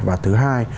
và thứ hai